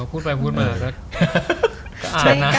เออพูดไปพูดมาแล้วก็อ่านนะ